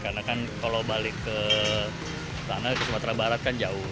karena kan kalau balik ke sumatera barat kan jauh